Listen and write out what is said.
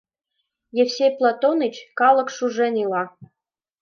— Евсей Платоныч, калык шужен ила.